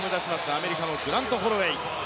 アメリカのグラント・ホロウェイ。